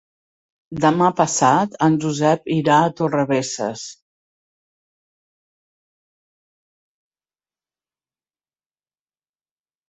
Demà passat en Josep irà a Torrebesses.